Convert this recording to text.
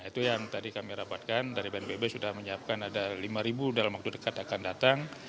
itu yang tadi kami rapatkan dari bnpb sudah menyiapkan ada lima dalam waktu dekat akan datang